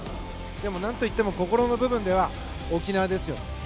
でも何といっても心の部分では沖縄ですよ。